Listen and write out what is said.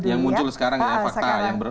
yang muncul sekarang ya fakta yang